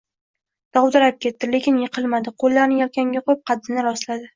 dovdirab ketdi, lekin yiqilmadi, qoʻllarini yelkamga qoʻyib, qaddini rostladi.